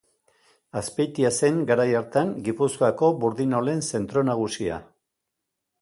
Azpeitia zen, garai hartan, Gipuzkoako burdinolen zentro nagusia.